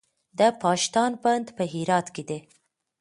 د پاشدان بند په هرات کې دی